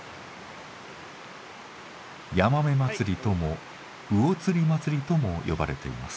ヤマメ祭りとも魚釣祭りとも呼ばれています。